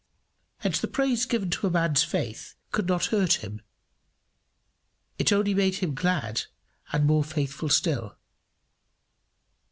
Hence the praise given to a man's faith could not hurt him; it only made him glad and more faithful still.